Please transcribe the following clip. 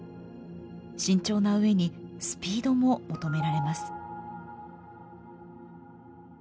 慎重な上にスピードも求められます。